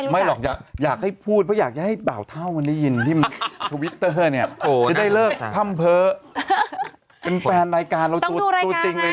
เป็นแฟนรายการเราตัวจริงเลยนะต้องดูรายการค่ะ